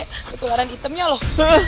ketularan hitamnya loh